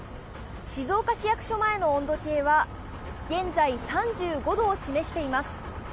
静岡市役所前の温度計は現在３５度を示しています。